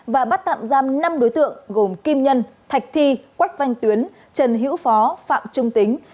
và bắt tạm giam năm đối tượng gồm kim nhân thạch thi quách văn tuyến trần hữu phó phạm trung tính